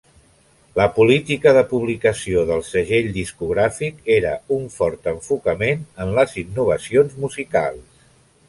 La política de publicació del segell discogràfic era un fort enfocament en les innovacions musicals.